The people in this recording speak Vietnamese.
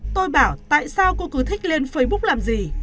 tôi bảo tại sao cô cứ thích lên facebook làm gì